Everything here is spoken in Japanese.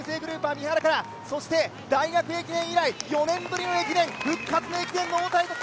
日本郵政グループは三原から大学駅伝以来４年ぶりの駅伝、復活の駅伝。